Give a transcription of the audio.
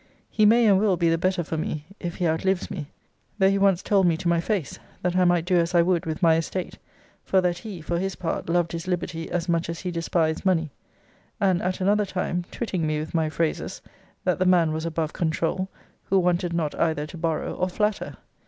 He may and will be the better for me, if he outlives me; though he once told me to my face, that I might do as I would with my estate; for that he, for his part, loved his liberty as much as he despised money. And at another time, twitting me with my phrases, that the man was above controul, who wanted not either to borrow or flatter.